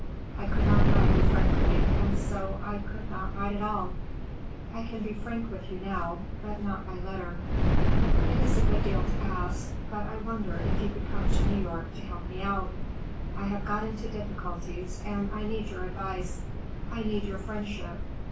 I could not write you frankly, and so I would not write at all. I can be frank with you now, but not by letter. It is a great deal to ask, but I wonder if you could come to New York to help me out? I have got into difficulties, and I need your advice. I need your friendship.